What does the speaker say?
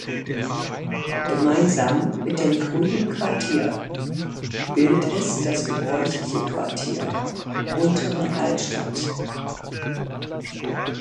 Gemeinsam mit dem Grünen Quartier bildet es das gebräuchliche Quartier Untere Altstadt.